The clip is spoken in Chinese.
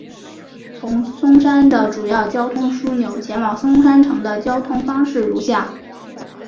从松山的主要交通枢纽前往松山城的交通方式如下。